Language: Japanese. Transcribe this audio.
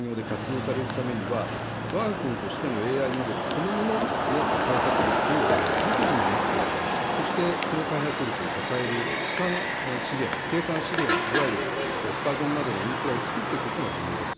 ＡＩが多くの産業で活用されるためには、わが国としてのＡＩモデルそのものの開発力を独自に持つこと、そしてその開発力を支える資産資源、計算資源、いわゆるスパコンなどのインフラを作っていくことが重要です。